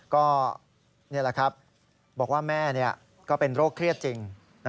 ก็นี่แหละครับบอกว่าแม่ก็เป็นโรคเครียดจริง